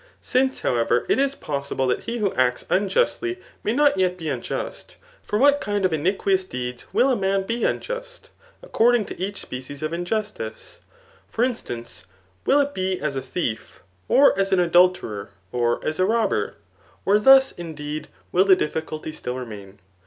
&INCS, however, it is posdble that he who acts un^ justly may not yet be unjust, from what kind of iniqui tous deeds will a man be unjust, according to each species Digitized by Google 174 TR£ NIOOMAOH£AN BOOJt ▼• of injustice ? For instance, will it be as a thief, or as aa ailakerer, or as a robber? Or thus, indeed, will the difficulty still remain